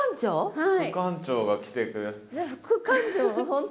はい。